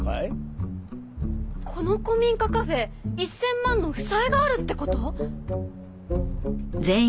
この古民家カフェ１０００万の負債があるって事？